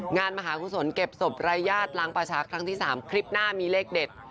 มหากุศลเก็บศพรายญาติล้างประชาครั้งที่๓คลิปหน้ามีเลขเด็ด